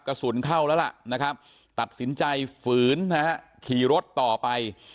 กระสุนเข้าแล้วล่ะนะครับตัดสินใจฝืนนะฮะขี่รถต่อไป